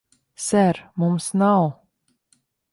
Ser, mums nav...